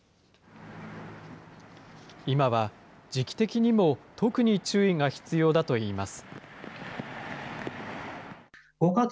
今は時期的にも特に注意が必要だといいます。